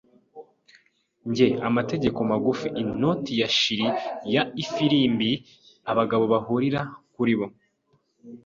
njye - amategeko magufi, inoti ya shrill ya ifirimbi, abagabo bahurira kuri bo